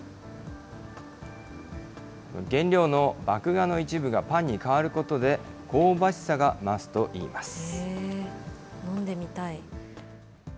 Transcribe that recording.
原料の麦芽の一部がパンに変わることで、香ばしさが増すといいます。